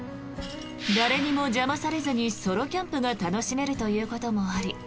誰にも邪魔されずにソロキャンプが楽しめるということもあり